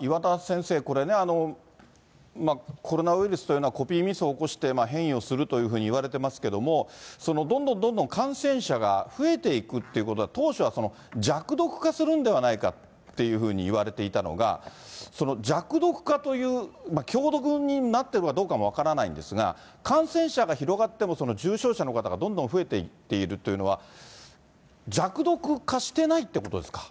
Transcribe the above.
岩田先生、これね、コロナウイルスというのは、コピーミスを起こして、変異をするというふうにいわれてますけども、どんどんどんどん感染者が増えていくっていうことは、当初はその、弱毒化するんじゃないかっていうふうにいわれていたのが、弱毒化という、強毒になっているかどうかも分からないんですが、感染者が広がっても、重症者の方がどんどん増えていっているというのは、弱毒化してないっていうことですか？